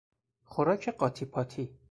خوارک قاتی پاتی